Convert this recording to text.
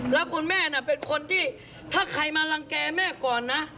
แล้วคุณแม่น่ะเป็นคนที่ถ้าใครมารังแก่แม่ก่อนนะ